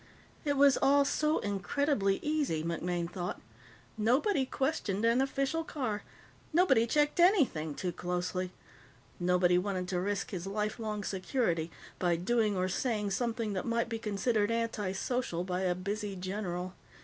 It was all so incredibly easy, MacMaine thought. Nobody questioned an official car. Nobody checked anything too closely. Nobody wanted to risk his lifelong security by doing or saying something that might be considered antisocial by a busy general.